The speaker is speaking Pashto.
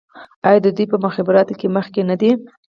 آیا دوی په مخابراتو کې مخکې نه دي؟